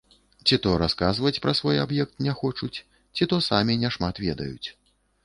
Ці то расказваць пра свой аб'ект не хочуць, ці то самі няшмат ведаюць.